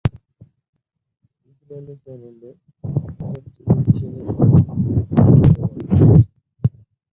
ইসরায়েলের channel ten টেলিভিশনের কি খবরে বলা হয়?